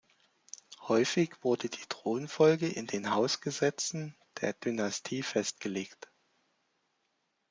Häufig wurde die Thronfolge in den "Hausgesetzen" der Dynastie festgelegt.